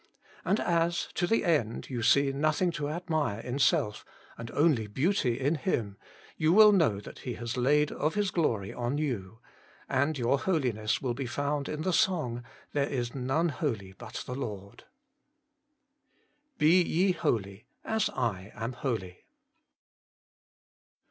And as, to the end, you see nothing to admire in self, and only Beauty in Him, you will know that He has laid of His glory on you ; and your holiness will be found in the song, There is none holy, but the Lord. BE YE HOLY, AS I AM HOLY.